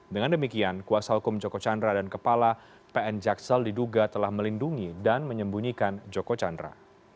dengan demikian kuasa hukum joko chandra dan kepala pn jaksal diduga telah melindungi dan menyembunyikan joko chandra